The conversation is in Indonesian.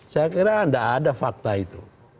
saya kira tidak ada fakta itu